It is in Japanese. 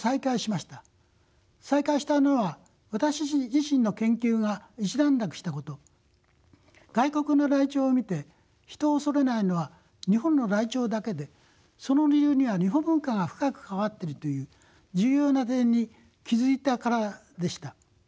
再開したのは私自身の研究が一段落したこと外国のライチョウを見て人を恐れないのは日本のライチョウだけでその理由には日本文化が深く関わっているという重要な点に気付いたからでした。